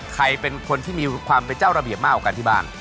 ใครเป็นคนที่มีความเป็นเจ้าระเบียบมากกว่ากันที่บ้าน